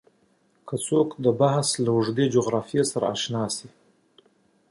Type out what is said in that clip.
که څوک د بحث اوږدې جغرافیې سره اشنا شي